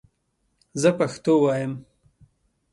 زه پښتو وایم